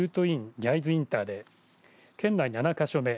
焼津インターで県内７か所目